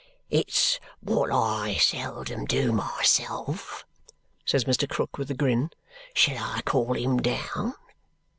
"It's what I seldom do myself," says Mr. Krook with a grin. "Shall I call him down?